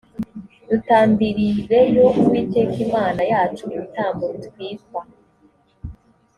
dutambirireyo uwiteka imana yacu ibitambo bitwikwa